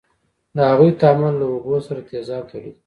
د هغو تعامل له اوبو سره تیزاب تولیدوي.